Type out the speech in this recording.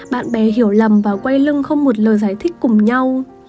bạn bè hiểu lầm và quay lưng không một lời giải thích cùng nhau